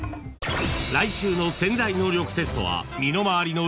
［来週の『潜在能力テスト』は］